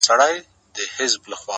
دا وايي دا توره بلا وړي څوك;